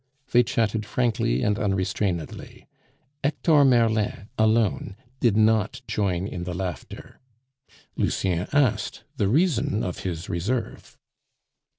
They chatted frankly and unrestrainedly. Hector Merlin, alone, did not join in the laughter. Lucien asked the reason of his reserve.